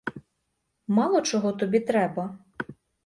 Мало чого тобі треба.